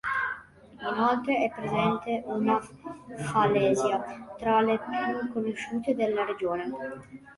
Inoltre è presente una falesia tra le più conosciute della regione.